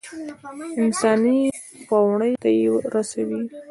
انساني پوړۍ ته يې رسوي.